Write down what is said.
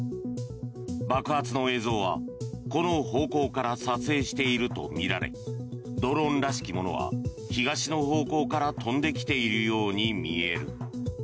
爆発の映像は、この方向から撮影しているとみられドローンらしきものは東の方向から飛んできているように見える。